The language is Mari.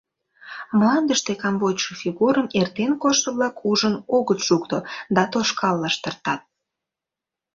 Мландышке камвочшо фигурым эртен коштшо-влак ужын огыт шукто да тошкал лаштыртат.